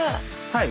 はい。